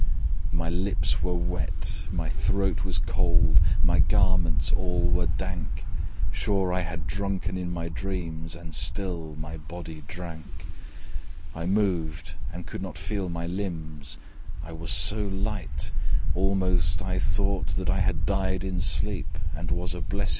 My lips were wet, my throat was cold, My garments all were dank; Sure I had drunken in my dreams, And still my body drank. I moved, and could not feel my limbs: I was so light almost I thought that I had died in sleep, And was a blessed ghost.